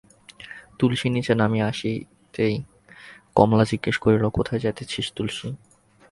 তুলসী নীচে নামিয়া আসিতেই কমলা জিজ্ঞাসা করিল, কোথায় যাইতেছিস তুলসী?